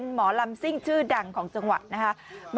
หมอลำซิ่งชื่อดังของจังหวัดนะคะ